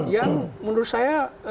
yang menurut saya